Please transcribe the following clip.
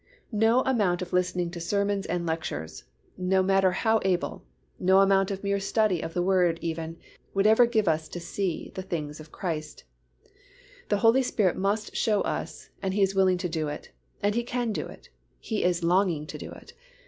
No amount of listening to sermons and lectures, no matter how able, no amount of mere study of the Word even, would ever give us to see "the things of Christ"; the Holy Spirit must show us and He is willing to do it and He can do it. He is longing to do it.